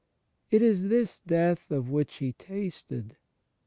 It is this Death of which He 'Hasted."